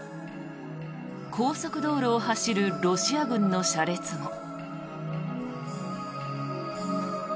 高速道路を走るロシア軍の車列も。